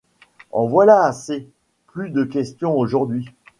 En voilà assez ; plus de question aujourd'hui.